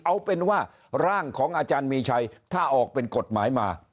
เอาเป็นว่าร่างของอาจารย์มีชัยถ้าออกเป็นกฎหมายมา